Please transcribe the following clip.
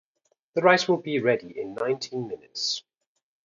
The rice will be ready in nineteen minutes.